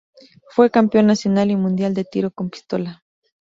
Fue campeón nacional y mundial de tiro con pistola.